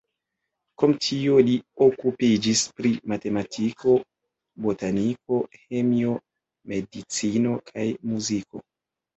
Krom tio li okupiĝis pri matematiko, botaniko, ĥemio, medicino kaj muziko.